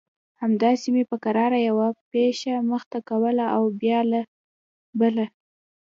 همداسې مې په کراره يوه پښه مخته کوله او بيا بله.